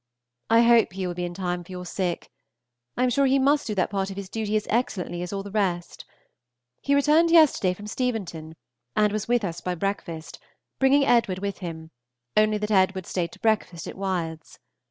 I hope he will be in time for your sick. I am sure he must do that part of his duty as excellently as all the rest. He returned yesterday from Steventon, and was with us by breakfast, bringing Edward with him, only that Edwd. stayed to breakfast at Wyards.